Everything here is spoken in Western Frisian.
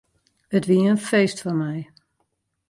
It wie in feest foar my.